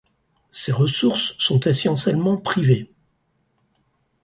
Ses ressources sont essentiellement privées.